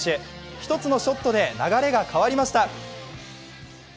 １つのショットで流れが変わりました。